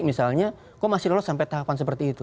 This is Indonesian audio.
misalnya kok masih lolos sampai tahapan seperti itu